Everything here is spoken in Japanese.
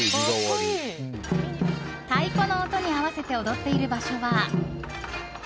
太鼓の音に合わせて踊っている場所は。